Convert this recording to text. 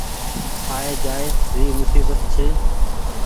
آئي جآئي موسيبت ڇي۔